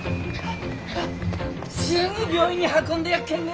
すぐ病院に運んでやっけんね。